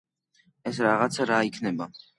ეს რაღაც რა იქნება?